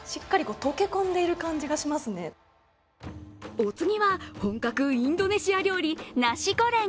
お次は、本格インドネシア料理ナシゴレン。